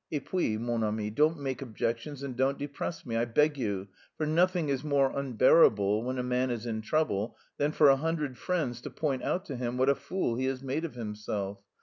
Et puis, mon ami,_ don't make objections and don't depress me, I beg you, for nothing is more unbearable when a man is in trouble than for a hundred friends to point out to him what a fool he has made of himself.